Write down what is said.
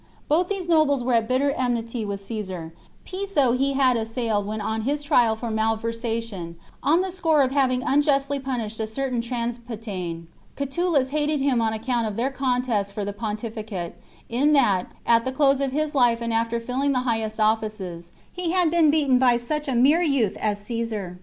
Both these nobles were at bitter enmity with Caesar ; Piso he had assailed when on his trial for malversa tion, on the score of having unjustly punished a cer tain Transpadane ; Catulus hated him on account of their contest for the Pontificate, in that, at the close of his life and after filling the highest offices, he had been beaten by such a mere youth as Caesar.